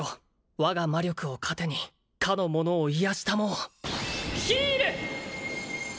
我が魔力を糧に彼のものを癒やし給うヒール！